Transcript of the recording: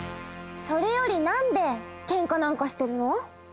それよりなんでけんかなんかしてるの？